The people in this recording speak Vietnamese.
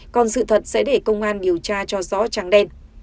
còn sự thật sẽ để công an điều tra cho rõ trắng đen